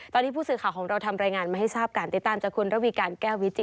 ตอนนี้ผู้สื่อข่าวของเราทำรายงานมาให้ทราบกันติดตามจากคุณระวีการแก้ววิจิต